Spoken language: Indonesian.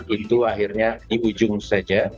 itu akhirnya di ujung saja